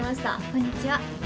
こんにちは。